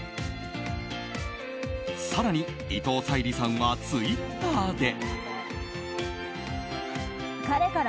更に、伊藤沙莉さんはツイッターで。